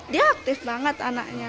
dia aktif banget anaknya